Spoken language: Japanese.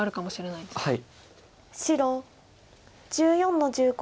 白１４の十五。